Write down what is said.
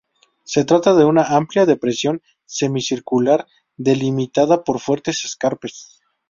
Se trata de una amplia depresión semicircular delimitada por fuertes escarpes.